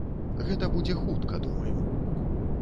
Гэта будзе хутка, думаю.